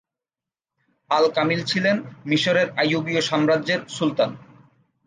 আল-কামিল ছিলেন মিশরের আইয়ুবীয় সাম্রাজ্যের সুলতান।